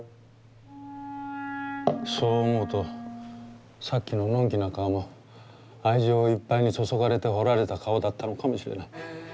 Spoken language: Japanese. そう思うとさっきののん気な顔も愛情をいっぱいに注がれて彫られた顔だったのかもしれない。